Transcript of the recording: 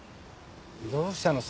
どうしたの？